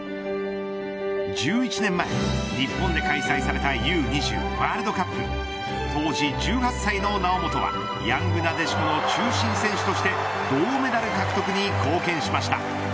１１年前、日本で開催されたＵ‐２０ワールドカップ当時１８歳の猶本はヤングなでしこの中心選手として銅メダル獲得に貢献しました。